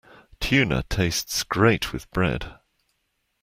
Tuna tastes great with bread.